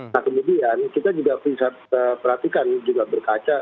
nah kemudian kita juga bisa perhatikan juga berkaca